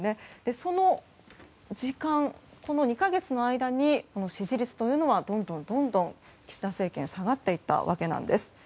その時間、この２か月の間に支持率というのはどんどん、岸田政権下がっていったわけです。